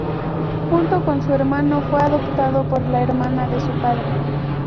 Junto con su hermano fue adoptado por la hermana de su padre.